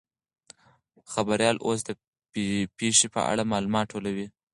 خبریال اوس د پیښې په اړه معلومات ټولوي.